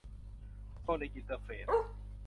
โซนิค อินเตอร์เฟรท